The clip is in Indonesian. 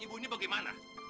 ibu ini bagaimana